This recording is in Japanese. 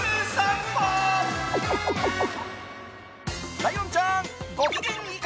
ライオンちゃんと行く！